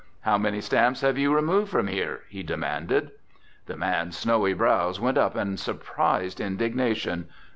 "How many stamps have you removed from here?" he demanded. The man's snowy brows went up in surprised indignation.